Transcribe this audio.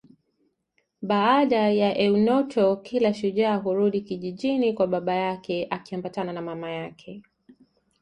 Baada ya Eunoto kila shujaa hurudi kijijini kwa baba yake akiambatana na mama yake